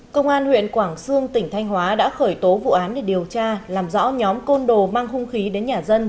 công an huyện quảng sương tỉnh thanh hóa đã khởi tố vụ án để điều tra làm rõ nhóm côn đồ mang hung khí đến nhà dân